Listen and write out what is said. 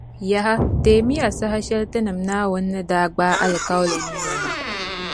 Yaha! Teemi ya saha shεli Tinim’ Naawuni ni daa gbaai alikauli ni yinima.